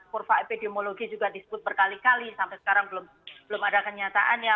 kurva epidemiologi juga disebut berkali kali sampai sekarang belum ada kenyataannya